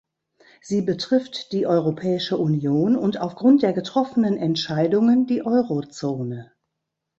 Sie betrifft die Europäische Union und aufgrund der getroffenen Entscheidungen die Eurozone.